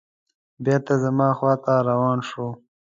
بېرته زما خواته روان شو.